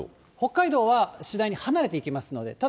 北海道は次第に離れていきますので。